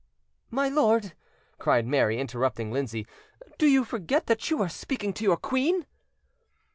"My lord," cried Mary, interrupting Lindsay, "do you forget that you are speaking to your queen."